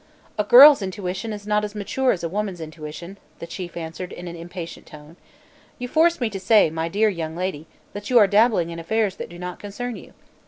"A girl's intuition is not as mature as a woman's intuition," the Chief answered in an impatient tone. "You force me to say, my dear young lady, that you are dabbling in affairs that do not concern you.